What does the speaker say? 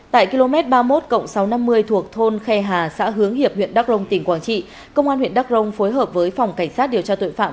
tại km ba mươi một sáu trăm năm mươi thuộc thôn khe hà xã hướng hiệp huyện đắk rông tỉnh quảng trị công an huyện đắk rông phối hợp với phòng cảnh sát điều tra tội phạm